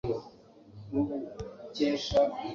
yerekanye ko Itorero ry’i Filipi ritigeze risimbuka akarengane.